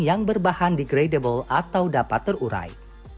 yang berbahan degradable atau dapat terurai